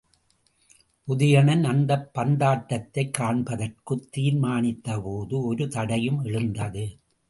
உதயணன் அந்தப் பந்தாட்டத்தைக் காண்பதற்குத் தீர்மானித்தபோது ஒரு தடையும் எழுந்தது.